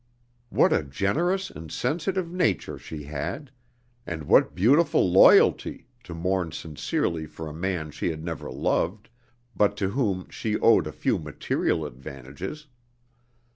What a generous and sensitive nature she had, and what beautiful loyalty, to mourn sincerely for a man she had never loved, but to whom she owed a few material advantages!